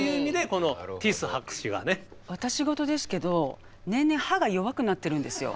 私事ですけど年々歯が弱くなってるんですよ。